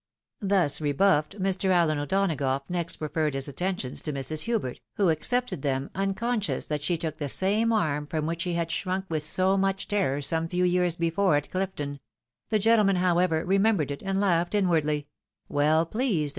Thus rebuffed, Mr. Allen O'Donagough next proffered hia attentions to Mrs. Hubert, who accepted them, unconscious that she took the same arm from which she had shrunk with so much terror some few years before at Clifton — ^the gentleman, however, remembered it, and laughed inwardly ; well pleased at EEFRESHMENTS.